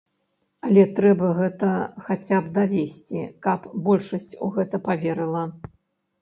Але трэба гэта хаця б давесці, каб большасць у гэта паверыла.